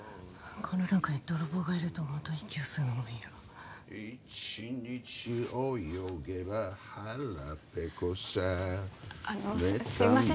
この中に泥棒がいると思うと息を吸うのも嫌いちにちおよげばハラペコさあのすいません